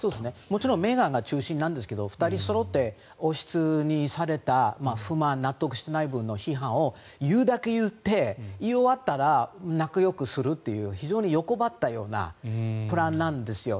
もちろんメーガンが中心なんですけど２人そろって王室にされた不満納得していない部分の批判を言うだけ言って言い終わったら仲よくするという非常に欲張ったようなプランなんですよ。